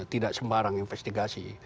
tidak sembarang investigasi